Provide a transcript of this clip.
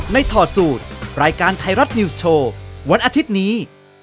ถอดสูตรรายการไทยรัฐนิวส์โชว์วันอาทิตย์นี้